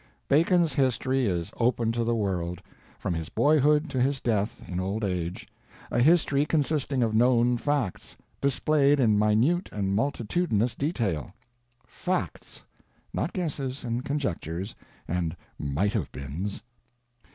Bacon's history is open to the world, from his boyhood to his death in old age—a history consisting of known facts, displayed in minute and multitudinous detail; facts, not guesses and conjectures and might have beens.